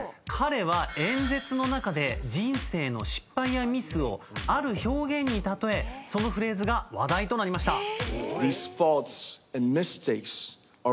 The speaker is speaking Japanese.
彼は演説の中で人生の失敗やミスをある表現に例えそのフレーズが話題となりました。